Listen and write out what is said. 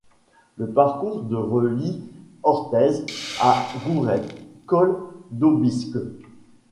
Le parcours de relie Orthez à Gourette - Col d'Aubisque.